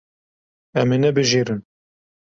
Em ê nebijêrin.